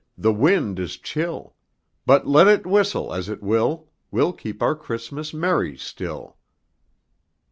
the wind is chill; But let it whistle as it will, We'll keep our Christmas merry still.